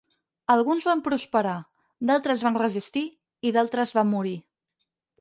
Alguns van prosperar, d'altres van resistir i d'altres van morir.